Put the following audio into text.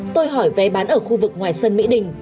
tôi hỏi vé bán ở khu vực ngoài sân mỹ đình